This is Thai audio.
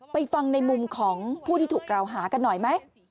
ฟังในมุมของผู้ที่ถูกกล่าวหากันหน่อยไหม